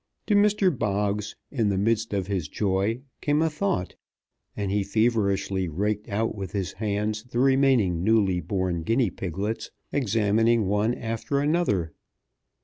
To Mr. Boggs, in the midst of his joy, came a thought; and he feverishly raked out with his hands the remaining newly born guinea piglets, examining one after another.